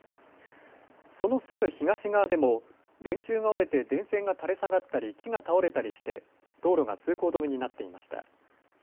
そのすぐ東側でも電柱が折れて電線が垂れ下がったり木が倒れたりして道路が通行止めになっていました。